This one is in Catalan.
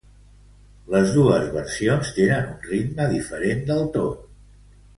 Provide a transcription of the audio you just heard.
Les dos versions tenen un ritme diferent del tot.